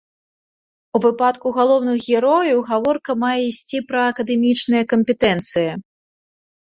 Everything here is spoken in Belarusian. У выпадку галоўных герояў гаворка мае ісці пра акадэмічныя кампетэнцыі.